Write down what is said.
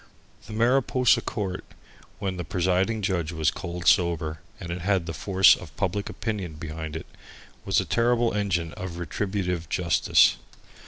The Mariposa court, when the presiding judge was cold sober, and it had the force of public opinion behind it, was a terrible engine of retributive justice.